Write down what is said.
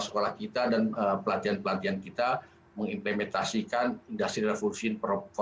sekolah kita dan pelatihan pelatihan kita mengimplementasikan industri revolution